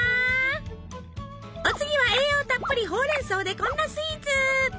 お次は栄養たっぷりほうれん草でこんなスイーツ。